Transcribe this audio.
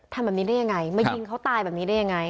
ทำแบบนี้ได้ยังไงมายิงเขาตายแบบนี้ได้ยังไง